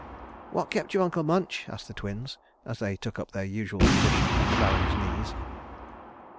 "What kept you, Uncle Munch?" asked the Twins, as they took up their usual position on the Baron's knees.